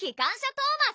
トーマス